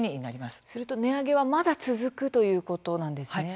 すると、値上げはまだ続くということなんですね。